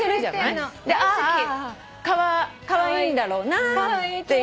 カワイイんだろうなっていう。